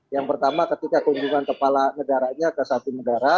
yang pertama ketika kunjungan kepala negaranya ke satu negara